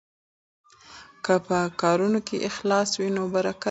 که په کارونو کې اخلاص وي نو برکت پکې راځي.